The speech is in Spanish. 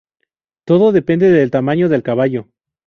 Todo depende del tamaño del caballo.